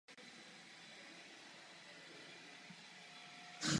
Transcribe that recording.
Co tedy musíme ve směrnici především zachovat?